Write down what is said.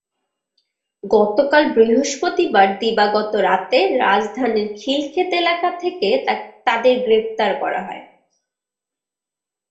গতকাল বৃহস্পতিবার দিবাগত রাতে রাজধানীর খিলক্ষেত এলাকা থেকে তাদের গ্রেপ্তার করা হয়।